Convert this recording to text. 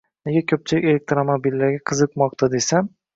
Nega ko‘pchilik elektromobillarga qiziqmoqda desam